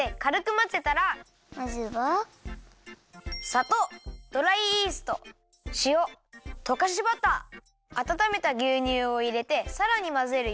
さとうドライイーストしおとかしバターあたためたぎゅうにゅうをいれてさらにまぜるよ。